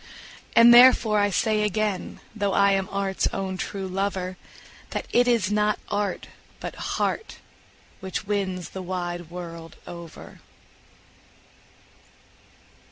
And therefore I say again, though I am art's own true lover, That it is not art, but heart, which wins the wide world over.